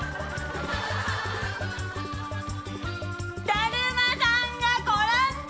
だるまさんが転んだ！